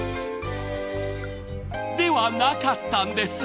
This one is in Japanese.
［ではなかったんです］